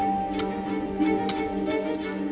untuk menolak kekuatan yang terlalu besar